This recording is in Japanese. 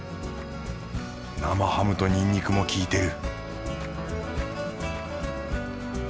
生ハムとニンニクも効いてる